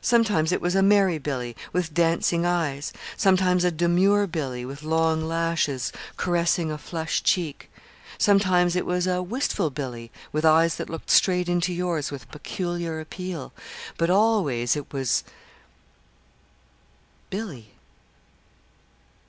Sometimes it was a merry Billy with dancing eyes; sometimes a demure Billy with long lashes caressing a flushed cheek. Sometimes it was a wistful Billy with eyes that looked straight into yours with peculiar appeal. But always it was Billy.